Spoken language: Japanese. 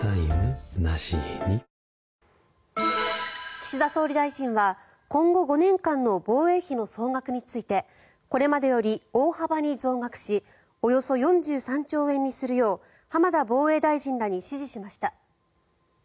岸田総理大臣は今後５年間の防衛費の総額についてこれまでより大幅に増額しおよそ４３兆円にするよう浜田防衛大臣らに指示しました。